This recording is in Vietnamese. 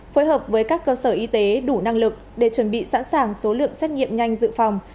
phối hợp với các cơ sở y tế đủ năng lực để chuẩn bị sẵn sàng số lượng xét nghiệm nhanh dự phòng